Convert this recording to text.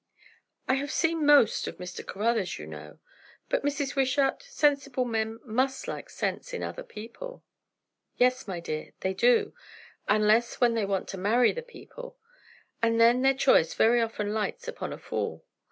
"I have seen most of Mr. Caruthers, you know. But, Mrs. Wishart, sensible men must like sense in other people." "Yes, my dear; they do; unless when they want to marry the people; and then their choice very often lights upon a fool.